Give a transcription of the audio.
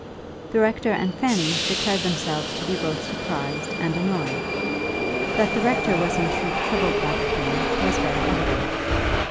The Rector and Fanny declared themselves to be both surprised and annoyed. That the Rector was in truth troubled by the thing was very evident.